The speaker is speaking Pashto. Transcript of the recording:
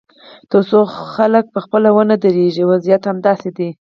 تر څو خلک پخپله ونه درېږي، وضعیت همداسې دی.